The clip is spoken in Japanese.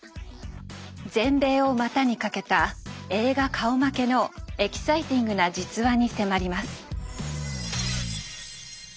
全米を股に掛けた映画顔負けのエキサイティングな実話に迫ります。